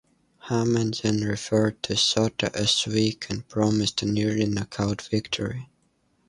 Hamed then referred to Soto as "weak" and promised an early knockout victory.